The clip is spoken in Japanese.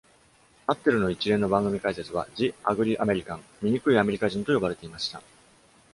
アッテルの一連の番組解説は "The Ugly American（ 醜いアメリカ人）"と呼ばれていました。